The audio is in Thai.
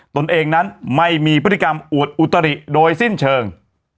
ตนเองนั้นไม่มีพฤติกรรมอวดอุตริโดยสิ้นเชิง